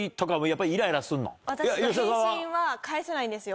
私返信は返さないんですよ。